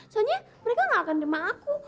soalnya mereka gak akan demam aku